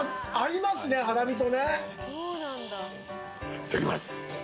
いただきます。